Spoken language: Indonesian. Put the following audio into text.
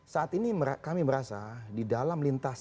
saat ini kami merasa di dalam lintasan